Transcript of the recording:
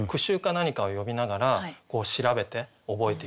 何かを読みながら調べて覚えていくとか